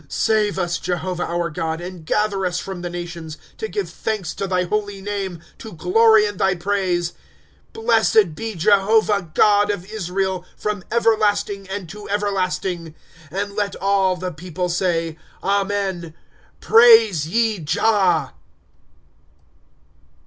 *'' S ive us, Jehovah, our God, And gather us from the nations ; To give thanks to thy holy name, To glory in thy praise. Blessed be Jehovah, God of Israel, Pkom everlasting, and to everlasting. And let all the people say, Amen. Praise te Jah.